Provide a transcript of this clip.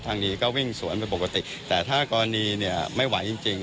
ทางนี้ก็วิ่งสวนไปปกติแต่ถ้ากรณีเนี่ยไม่ไหวจริงจริง